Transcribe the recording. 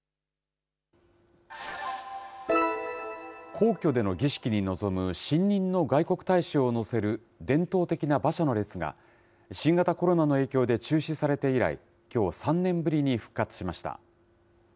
皇居での儀式に臨む新任の外国大使を乗せる伝統的な馬車の列が、新型コロナの影響で中止されて以来、きょう３年ぶりに復活しました。